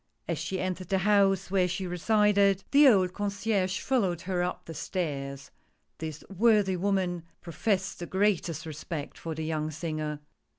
" As she entered the house where she resided, the old 128 THE PORTRAIT. Concierge followed her up the stairs. This worthy woman professed the greatest respect for the young singer.